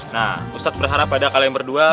nah ustadz berharap pada kalian berdua